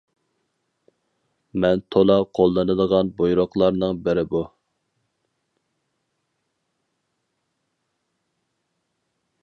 مەن تولا قوللىنىدىغان بۇيرۇقلارنىڭ بىرى بۇ.